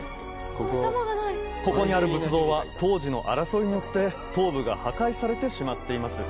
ここにある仏像は当時の争いによって頭部が破壊されてしまっています